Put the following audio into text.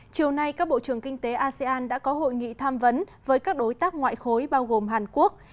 chiều nay các bộ trưởng kinh tế asean đã có hội nghị tham vấn với các đối tác ngoại khối bao gồm hàn quốc